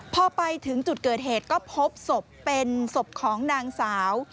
พอไปถึงจุดเกิดเหตุก็พบศพเป็นศพของนางสาว